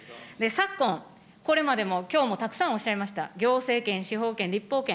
昨今、これまでも、きょうもたくさんおっしゃいました、行政権、司法権、立法権。